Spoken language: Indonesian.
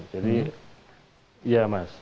jadi ya mas